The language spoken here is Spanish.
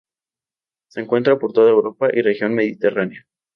Se encuentra por toda Europa y región mediterránea.